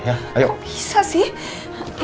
kok bisa sih